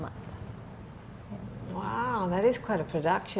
wow itu sangat banyak produksi